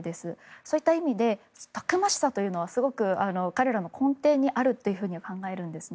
そういった意味でたくましさというのはすごく彼らの根底にあるとは考えるんですね。